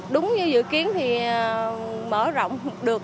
đúng như dự kiến thì mở rộng được